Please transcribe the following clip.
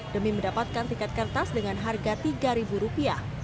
demi mendapatkan tiket kertas dengan harga rp tiga